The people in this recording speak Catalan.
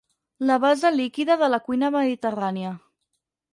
La base líquida de la cuina mediterrània.